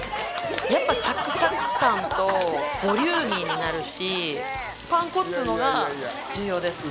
やっぱサクサク感とボリューミーになるしパン粉っていうのが重要です。